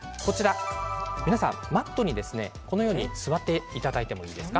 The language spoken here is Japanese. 皆さん、マットに、このように座っていただいていいですか。